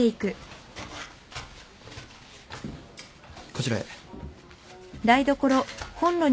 こちらへ。